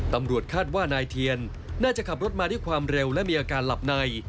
ตำรวจคาดว่านายเทียนน่าจะขับรถมาด้วยความเร็วและมีอาการหลับใน